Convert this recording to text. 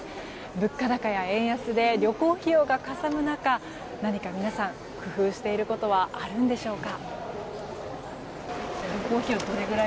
物価高や円安で旅行費用がかさむ中何か皆さん、工夫していることはあるんでしょうか。